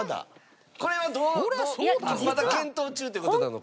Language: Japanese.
これはどうまだ検討中って事なのか。